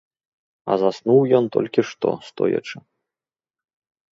А заснуў ён толькі што, стоячы.